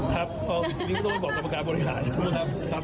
ครับนี่ก็ต้องไปบอกกรรมการบริหารครับ